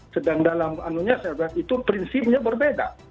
sedangkan dalam anunya saya lihat itu prinsipnya berbeda